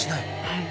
はい。